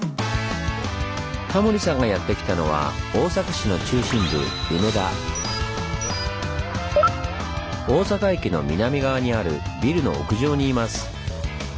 タモリさんがやって来たのは大阪駅の南側にあるビルの屋上にいます。